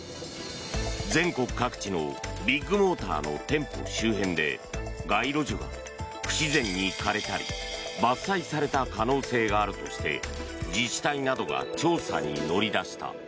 全国各地のビッグモーターの店舗周辺で街路樹が不自然に枯れたり伐採された可能性があるとして自治体などが調査に乗り出した。